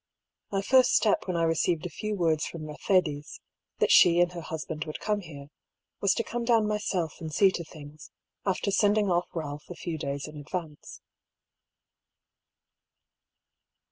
My first step when I received a few words from Mer cedes, that she and her husband would come here, was to come down myself and see to things, after sending off Balph a few days in advance.